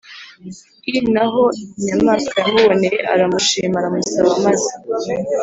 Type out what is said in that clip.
i na ho Nyamwasa yamuboneye aramushima aramusaba. Amaze